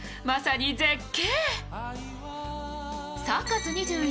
まさに絶景。